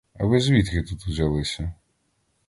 А ви звідки тут узялися?